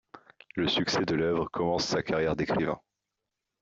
Le succès de l'œuvre commence sa carrière d'écrivain.